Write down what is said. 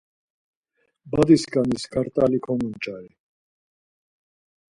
Badiskanis kart̆ali konuç̌ari.